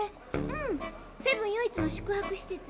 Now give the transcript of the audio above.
うんセブン唯一の宿はく施設。